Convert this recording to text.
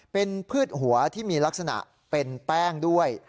เป็นพืชหัวที่มีลักษณะเป็นแป้งด้วย